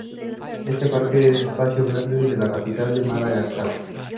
Este parque es un espacio verde de la capital de Madagascar.